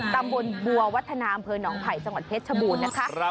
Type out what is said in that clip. ตำบลบัววัฒนาอำเภอหนองไผ่จังหวัดเพชรชบูรณ์นะคะ